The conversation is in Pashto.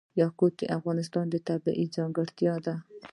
یاقوت د افغانستان یوه طبیعي ځانګړتیا ده.